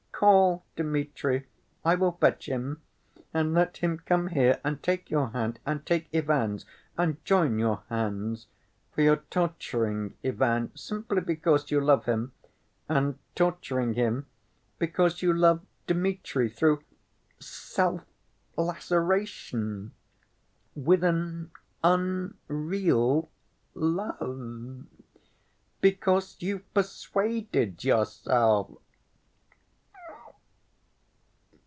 "Call Dmitri; I will fetch him—and let him come here and take your hand and take Ivan's and join your hands. For you're torturing Ivan, simply because you love him—and torturing him, because you love Dmitri through 'self‐laceration'—with an unreal love—because you've persuaded yourself."